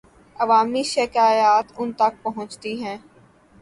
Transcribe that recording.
عوامی شکایات ان تک پہنچتی ہیں۔